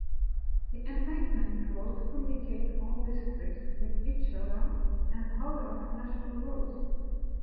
The embankment roads communicate all districts with each other and other national routes.